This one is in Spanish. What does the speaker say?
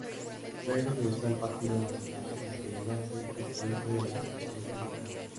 Luego ingresó al Partido Nacional, donde llegó a ser presidente de la colectividad.